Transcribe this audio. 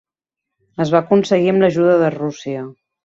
Es va aconseguir amb l'ajuda de Rússia.